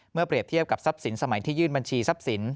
เปรียบเทียบกับทรัพย์สินสมัยที่ยื่นบัญชีทรัพย์สิน